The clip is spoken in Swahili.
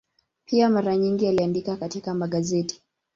Pia mara nyingi aliandika katika magazeti.